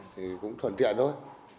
thì cũng thuận tiện thôi